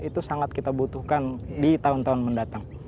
itu sangat kita butuhkan di tahun tahun mendatang